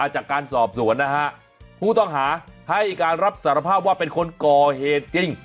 จากการสอบสวนนะฮะผู้ต้องหาให้การรับสารภาพว่าเป็นคนก่อเหตุจริง